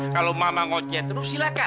kalau mama ngojet terus silakan